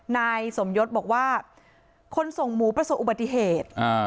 นายสมยศบอกว่าคนส่งหมูประสบอุบัติเหตุ